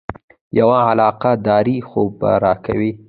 یوه علاقه داري خو به راکوې.